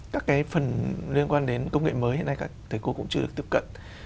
các cái phần liên quan đến công nghệ mới hiện nay các thầy cô cũng chưa được tiếp cận